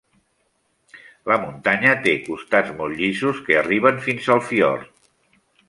La muntanya té costats molt llisos que arriben fins al fiord.